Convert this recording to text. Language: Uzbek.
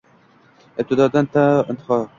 Ibtidodan to intiho